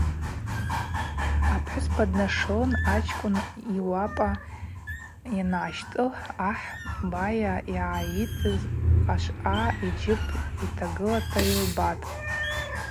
Апхӏвыспа днашылын ачкӏвын йуапӏа ангӏащтӏылх ахӏ байа йгӏайыйтыз ашвъа йджьып йтагылата йылбатӏ.